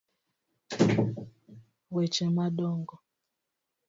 weche ma dongo: